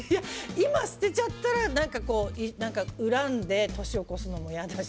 今、捨てちゃったら恨んで年を越すのもいやだし。